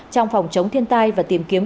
trong phòng chống thiên tai và tìm kiếm